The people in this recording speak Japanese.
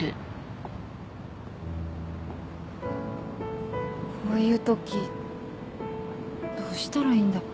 こういうときどうしたらいいんだっけ。